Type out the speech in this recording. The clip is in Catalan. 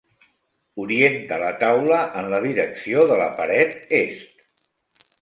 Orienta la taula en la direcció de la paret est.